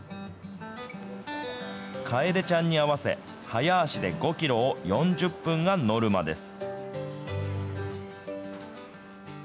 楓ちゃんに合わせ、早足で５キロを４０分がノルマです。